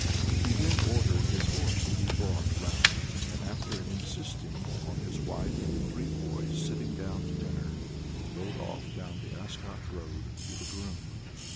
He then ordered his horse to be brought round, and after insisting on his wife and the three boys sitting down to dinner, rode off down the Ascot road with a groom.